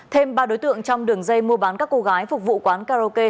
thêm ba đối tượng trong đường dây mua bán các cô gái phục vụ quán karaoke